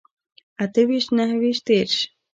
اته ويشت نهه ويشت دېرش